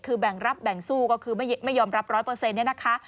คือแบ่งรับแบ่งสู้ไม่รับรอดเปอร์เซนต์